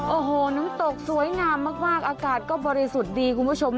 โอ้โหน้ำตกสวยงามมากอากาศก็บริสุทธิ์ดีคุณผู้ชม